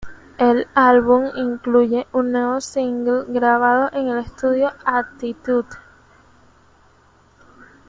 El álbum incluye un nuevo single grabado en el estudio: "Attitude".